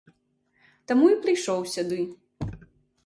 Таму і прыйшоў сюды.